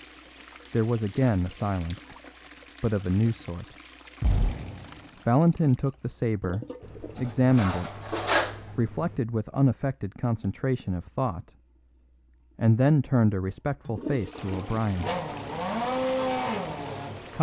There was again a silence, but of a new sort. Valentin took the sabre, examined it, reflected with unaffected concentration of thought, and then turned a respectful face to O'Brien.